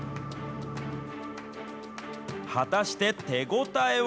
果たして手応えは。